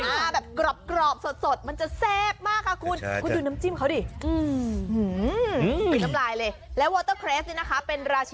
แล้วก็แกล้มกับวอเตอร์เครส